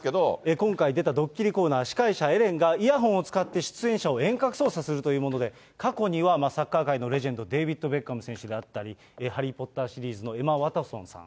今回、出たドッキリコーナー、司会者、エレンがイヤホンを使って出演者を遠隔操作するというもので、過去にはサッカー界のレジェンド、デイビット・ベッカム選手であったり、ハリー・ポッターシリーズのエマ・ワトソンさん。